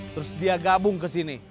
terus dia gabung ke sini